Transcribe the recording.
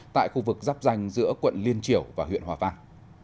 tại khu vực dắp danh giữa quận liên triều và huyện hòa vàng